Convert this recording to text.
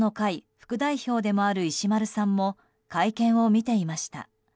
副代表でもある石丸さんも会見を見ていました。